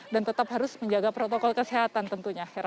dan tetap harus menjaga protokol kesehatan tentunya